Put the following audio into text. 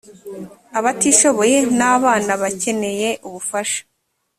abatishoboye n abana bakeneye ubufasha